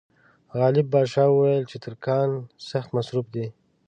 غالب پاشا وویل چې ترکان سخت مصروف دي.